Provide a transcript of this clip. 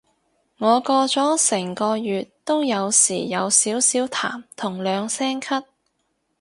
我過咗成個月都有時有少少痰同兩聲咳